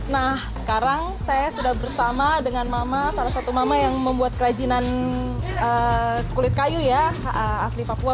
nah sekarang saya sudah bersama dengan mama salah satu mama yang membuat kerajinan kulit kayu ya asli papua